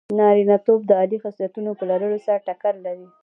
نارینتوب د عالي خصلتونو په لرلو سره ټکر لري.